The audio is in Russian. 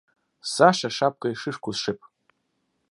Саша шапкой шишку сшиб.